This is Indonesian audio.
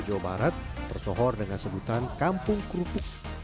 di barat persohor dengan sebutan kampung kerupuk